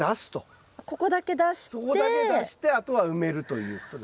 そこだけ出してあとは埋めるということですね。